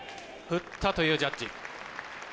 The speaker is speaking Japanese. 振ったというジャッジ。